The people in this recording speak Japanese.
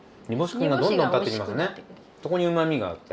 そこにうまみがあって。